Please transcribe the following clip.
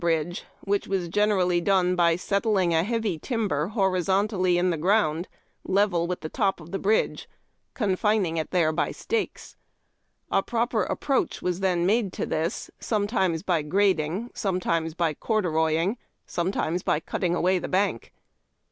bridge, which was generally done by settling a heavy timber horizontally in tlie ground, level with the top of the bridge, confining it there by stakes. A proper ai)proacli was then made to this, sometimes by grading, sometimes by cordu roying, sometimes by cutting away the bank. 386 IIAUn TACK AND COFFEE.